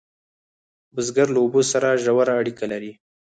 بزګر له اوبو سره ژوره اړیکه لري